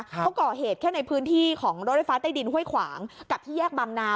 เขาก่อเหตุแค่ในพื้นที่ของรถไฟฟ้าใต้ดินห้วยขวางกับที่แยกบางนา